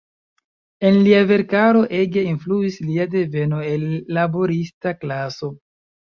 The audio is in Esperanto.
En lia verkaro ege influis lia deveno el laborista klaso.